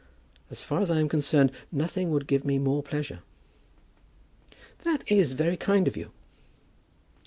As far as I am concerned, nothing would give me more pleasure." "That is so kind of you!"